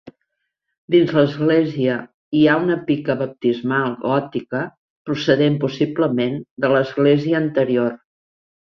Dins l'església, hi ha una pica baptismal gòtica procedent possiblement de l'església anterior.